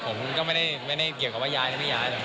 ผมก็ไม่ได้เกี่ยวกับว่าย้ายแล้วไม่ย้ายเลยครับ